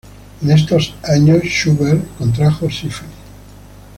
En estos años Schubert contrajo sífilis.